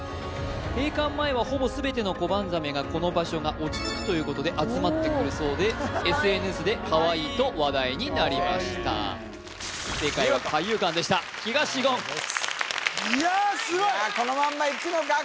閉館前はほぼ全てのコバンザメがこの場所が落ち着くということで集まってくるそうでＳＮＳでカワイイと話題になりました正解は海遊館でした東言いやすごいこのまんまいくのか？